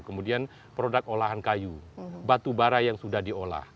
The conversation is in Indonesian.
kemudian produk olahan kayu batu bara yang sudah diolah